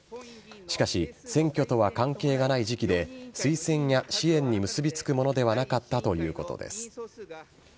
しかし、選挙とは関係ない時期で推薦や支援に結びつくものではなかったということです。